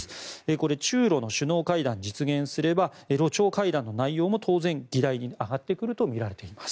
これ、中ロの首脳会談が実現すればロ朝会談の内容も当然、議題に上がってくるとみられています。